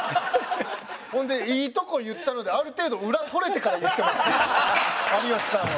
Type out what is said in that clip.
ほんでいいとこ言ったのである程度裏取れてから言ってますよ有吉さんは。